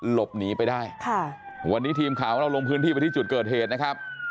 หลบหนีไปได้ค่ะวันนี้ทีมข่าวของเราลงพื้นที่ไปที่จุดเกิดเหตุนะครับ